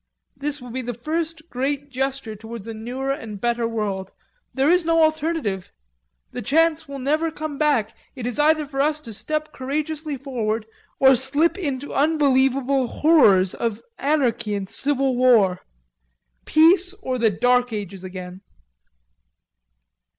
This will be the first great gesture towards a newer and better world. There is no alternative. The chance will never come back. It is either for us to step courageously forward, or sink into unbelievable horrors of anarchy and civil war.... Peace or the dark ages again."